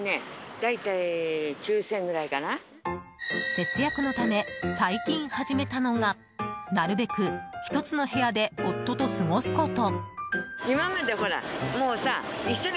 節約のため、最近始めたのがなるべく１つの部屋で夫と過ごすこと。